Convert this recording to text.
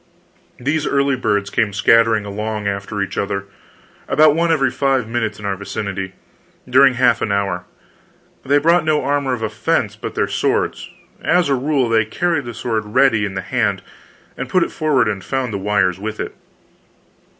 These early birds came scattering along after each other, about one every five minutes in our vicinity, during half an hour. They brought no armor of offense but their swords; as a rule, they carried the sword ready in the hand, and put it forward and found the wires with it.